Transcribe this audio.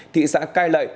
thị xã cai lệ